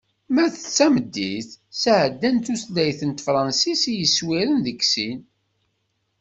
Ma d tameddit, sɛeddan tutlayt n tefransist i yiswiren deg sin.